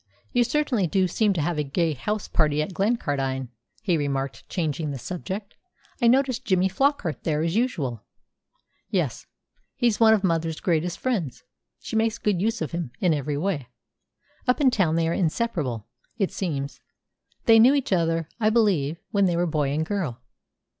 "You certainly do seem to have a gay house party at Glencardine," he remarked, changing the subject. "I noticed Jimmy Flockart there as usual." "Yes. He's one of mother's greatest friends. She makes good use of him in every way. Up in town they are inseparable, it seems. They knew each other, I believe, when they were boy and girl."